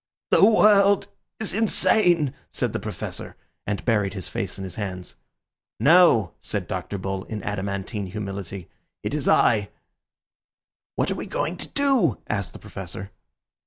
"The world is insane!" said the Professor, and buried his face in his hands. "No," said Dr. Bull in adamantine humility, "it is I." "What are we going to do?" asked the Professor.